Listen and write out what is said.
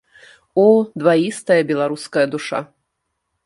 О, дваістая беларуская душа!